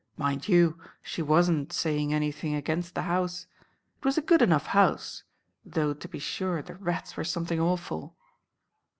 Mind you, she was n't saying anything against the house. It was a good enough house; though, to be sure, the rats were something awful.